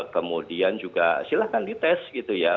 kemudian juga silahkan dites gitu ya